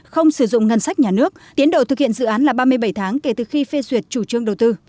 không sử dụng ngân sách nhà nước tiến độ thực hiện dự án là ba mươi bảy tháng kể từ khi phê duyệt chủ trương đầu tư